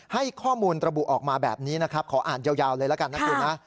ให้ข้อมูลระบุออกมาแบบนี้นะครับขออ่านยาวเลยละกันนะคุณนะ